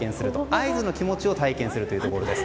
アイスの気持ちを体験するというところです。